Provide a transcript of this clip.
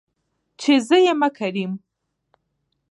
چې زه يمه کريم .